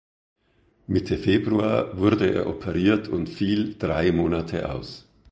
Mitte Februar wurde er operiert und fiel drei Monate aus.